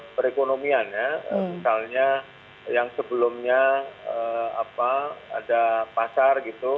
perekonomian ya misalnya yang sebelumnya ada pasar gitu